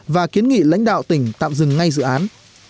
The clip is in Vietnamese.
và kiến nghị lãnh đạo tỉnh tạm dừng ngay dự án